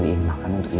biar makan untuk dia